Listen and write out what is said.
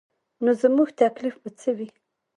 نو زموږ تکلیف به څه وي.